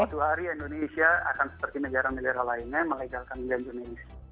suatu hari indonesia akan seperti negara negara lainnya melegalkan bulan juni